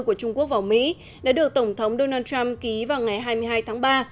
của trung quốc vào mỹ đã được tổng thống donald trump ký vào ngày hai mươi hai tháng ba